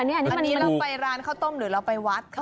อันนี้เราไปร้านข้าวต้มหรือเราไปวัด